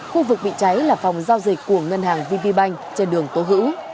khu vực bị cháy là phòng giao dịch của ngân hàng vp bank trên đường tố hữu